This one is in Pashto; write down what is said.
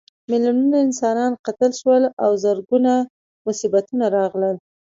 میلیونونه انسانان قتل شول او زرګونه مصیبتونه راغلل.